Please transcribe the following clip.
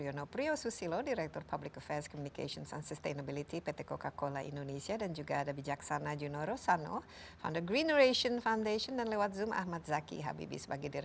iya kita sudah segera kembali